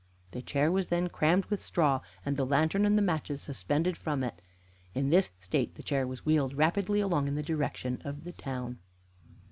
The chair was then crammed with straw, and the lantern and the matches suspended from it. In this state the chair was wheeled rapidly along in the direction of the town.